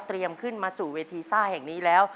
ขึ้นมาสู่เวทีซ่าแห่งนี้แล้ว